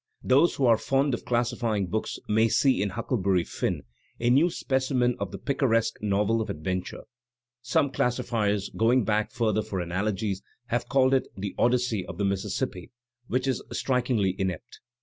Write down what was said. Those who are fond of classifying books may see in "Huckleberry Finn" a new specimen of the picaresque novel of adventure; some das Digitized by Google MAEK TWAIN 259 sifiers, going back further for analogies, 'have called it the "Odyssey of the Mississippi," which is strikingly inept.